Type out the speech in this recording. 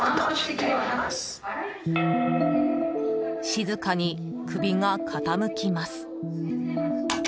静かに首が傾きます。